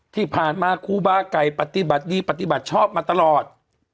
ที่ผ่านมาครูบาไก่ปฏิบัติดีปฏิบัติชอบมาตลอด